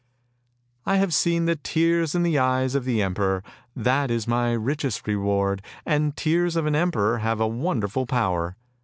" I have seen tears in the eyes of the emperor, that is my richest reward. The tears of an emperor have a wonderful power!